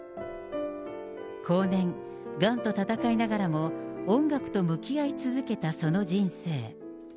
後年、がんと闘いながらも音楽と向き合い続けたその人生。